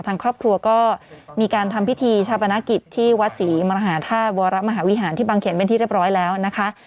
ทางครอบครัวก็มีการทำพิธีชาปนกิจที่วัดศรีมหาธาตุวรมหาวิหารที่บางเขนเป็นที่เรียบร้อยแล้วนะคะ